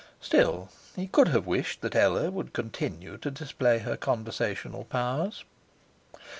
Still, he could have wished that Ella would continue to display her conversational powers.